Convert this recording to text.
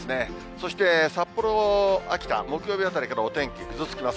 そして札幌、秋田、木曜日あたりからお天気、ぐずつきます。